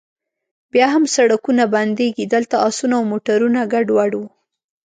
بیا هم سړکونه بندیږي، دلته اسونه او موټرونه ګډوډ و.